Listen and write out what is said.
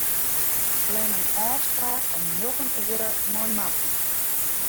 Plan in ôfspraak om njoggen oere mei Marten.